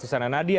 di sana nadia